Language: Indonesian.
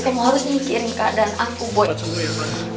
kamu harus nyikirin keadaan aku boy